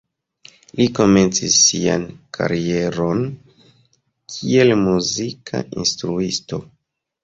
Li komencis sian karieron kiel muzika instruisto.